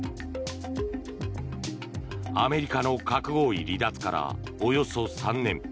アメリカの核合意離脱からおよそ３年。